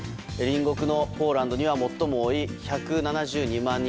隣国のポーランドには最も多い１７２万